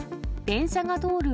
電車が通る